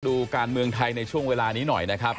ดูการเมืองไทยในช่วงเวลานี้หน่อยนะครับ